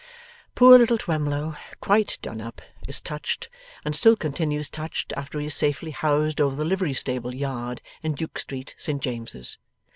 Poor little Twemlow, quite done up, is touched, and still continues touched after he is safely housed over the livery stable yard in Duke Street, Saint James's.